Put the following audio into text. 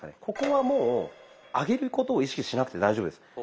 ここはもう上げることを意識しなくて大丈夫です。